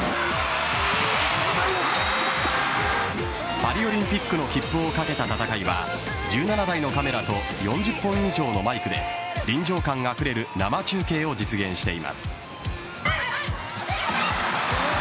パリオリンピックの切符を懸けた戦いは１７台のカメラと４０本以上のマイクで臨場感あふれる生中継を実現しています。